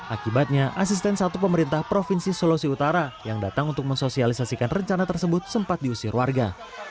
akibatnya asisten satu pemerintah provinsi sulawesi utara yang datang untuk mensosialisasikan rencana tersebut sempat diusir warga